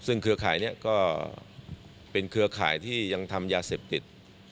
ซึ่งเครือข่ายนี้ก็เป็นเครือข่ายที่ยังทำยาเสพติด